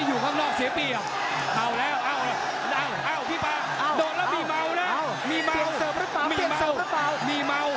ซุปกราศทั้งคู่